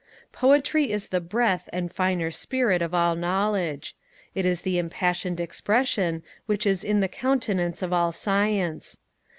Poetry is the breath and finer spirit of all knowledge; it is the impassioned expression which is in the countenance of all Science.